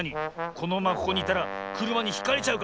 このままここにいたらくるまにひかれちゃうかもな。